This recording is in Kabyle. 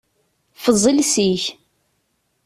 Ffeẓ iles-ik!